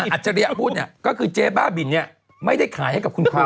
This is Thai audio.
ฉริยะพูดเนี่ยก็คือเจ๊บ้าบินเนี่ยไม่ได้ขายให้กับคุณพา